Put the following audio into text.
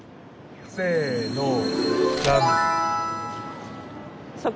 せのじゃん。